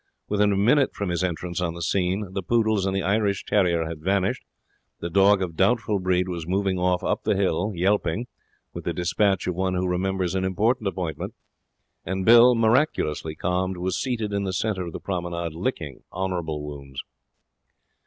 Within a minute from his entrance on the scene the poodles and the Irish terrier had vanished; the dog of doubtful breed was moving off up the hill, yelping, with the dispatch of one who remembers an important appointment, and Bill, miraculously calmed, was seated in the centre of the Promenade, licking honourable wounds.